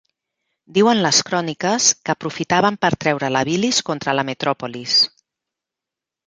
Diuen les cròniques que aprofitaven per treure la bilis contra la metròpolis.